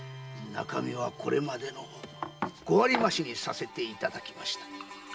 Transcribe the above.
中身はこれまでの五割増しにさせていただきました。